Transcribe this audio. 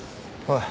はい。